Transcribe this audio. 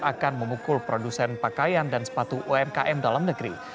akan memukul produsen pakaian dan sepatu umkm dalam negeri